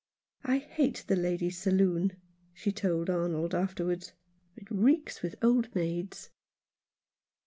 "J hate the ladies' saloon," she told Arnold, afterwards. " It reeks with old maids."